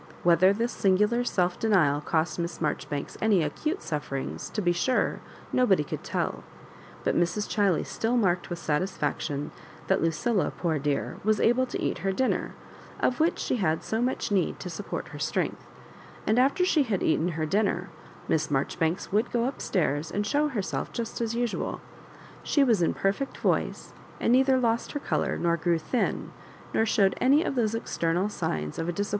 Whether this singular self denial oost Miss Marjoribanks any acute suffer ings, to be sure, nobody could tell, but Mrs. Chiley still marked with satisfaction that Lu cilla, poor dear, was able to eat her dinner, of which she had so much need to support her strength; and after she had eaten her dinner Miss Majoribanks would go up stairs and show herself just as usual She was in perfect voice, and neither lost her colour, nor grew thin, nor showed any of those external signs of a disap Digitized by VjOOQIC 42 MISS MABJOBIBAtfKS.